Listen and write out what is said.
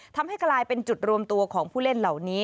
ทำให้กลายเป็นจุดรวมตัวของผู้เล่นเหล่านี้